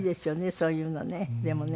そういうのねでもね。